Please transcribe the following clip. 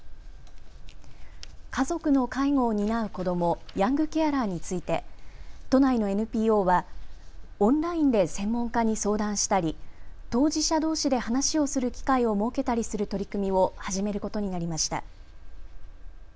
家族の介護を担う子ども、ヤングケアラーについて都内のＮＰＯはオンラインで専門家に相談したり当事者どうしで話をする機会を設けたりする取り組みを始めることになりました。